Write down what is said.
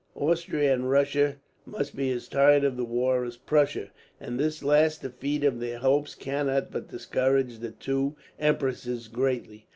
Austria and Russia must be as tired of the war as Prussia, and this last defeat of their hopes cannot but discourage the two empresses greatly.